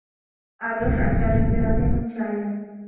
— Альош ачажым йӧратен ончале.